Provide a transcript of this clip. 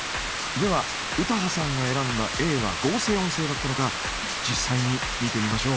では詩羽さんが選んだＡは合成音声だったのか実際に見てみましょう。